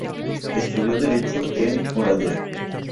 Estudió derecho en Oradea.